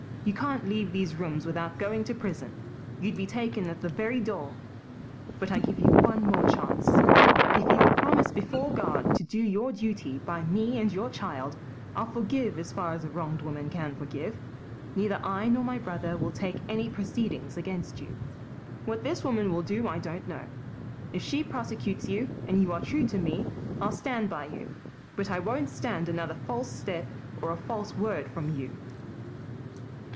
You can't leave these rooms without going to prison. You'd be taken at the very door. But I give you one more chance. If you will promise before God to do your duty by me and your child, I'll forgive as far as a wronged woman can forgive. Neither I nor my brother will take proceedings against you. What this woman will do I don't know. If she prosecutes you, and you are true to me, I'll stand by you, but I won't stand another false step or a false word from you."